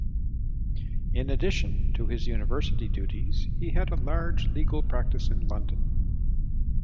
In addition to his university duties, he had a large legal practice in London.